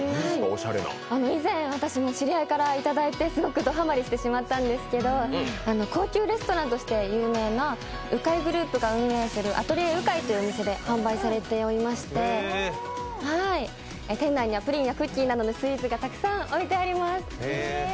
以前、私も知り合いから頂いて、ドハマりしてしまったんですが高級レストランとして有名なうかいグループが運営するＡｔｅｌｉｅｒＵＫＡＩというお店で販売されていまして店内にはプリンやクッキーなどのスイーツがたくさん置いてあります。